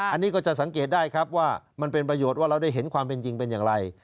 อันนี้ก็จะสังเกตได้ครับว่ามันเป็นประโยชน์ว่าเราได้เห็นความเป็นจริงเป็นอย่างไร